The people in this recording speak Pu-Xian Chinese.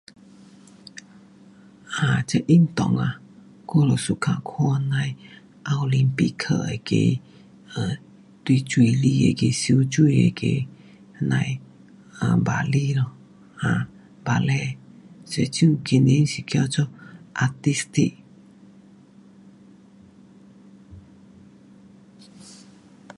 um 这运动啊，我就 suka 看那样的，奥林匹克那个，um 在水里那个，游泳那个，那样的芭蕾咯，um um 芭蕾，游泳真的叫做 artistic